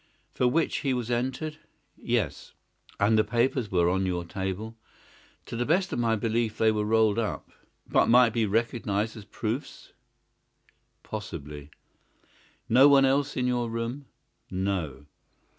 "For which he was entered?" "Yes." "And the papers were on your table?" "To the best of my belief they were rolled up." "But might be recognised as proofs?" "Possibly." "No one else in your room?" "No."